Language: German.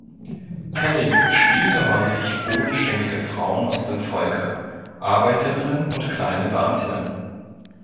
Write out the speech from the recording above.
Kelling spielte häufig bodenständige Frauen aus dem Volke, Arbeiterinnen und kleine Beamtinnen.